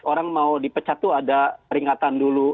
orang mau dipecat tuh ada peringatan dulu